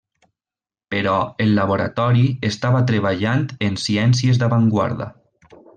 Però el laboratori estava treballant en ciències d'avantguarda.